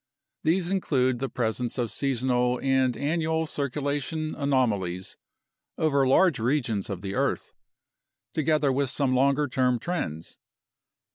These include the presence of seasonal and annual circulation anomalies over large regions of the earth, together with some longer term trends.